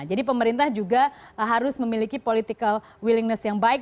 jadi pemerintah juga harus memiliki political willingness yang baik